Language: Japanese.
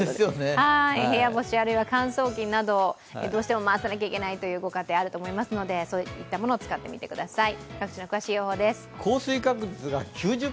部屋干し、あるいは乾燥機などどうしても回さないといけないご家庭あると思いますのでそういったものを使ってみてください。